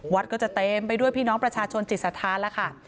วัดก็จะเต็มไปด้วยพี่น้องประชาชนจิตสถานแล้วค่ะ